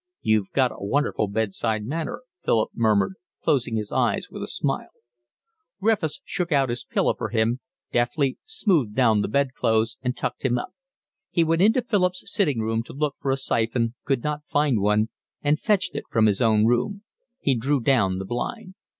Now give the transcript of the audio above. "You've got a wonderful bed side manner," Philip murmured, closing his eyes with a smile. Griffiths shook out his pillow for him, deftly smoothed down the bedclothes, and tucked him up. He went into Philip's sitting room to look for a siphon, could not find one, and fetched it from his own room. He drew down the blind.